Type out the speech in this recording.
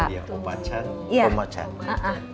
iya opah cem omah cem